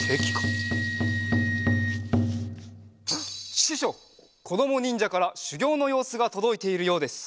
ししょうこどもにんじゃからしゅぎょうのようすがとどいているようです。